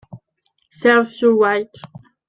Serves you right